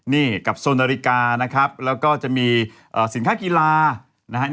นี่กับโซนาฬิกานะครับแล้วก็จะมีสินค้ากีฬานะครับ